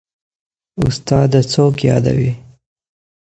استاده څوک يادوې.